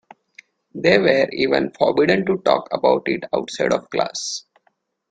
They were even forbidden to talk about it outside of class.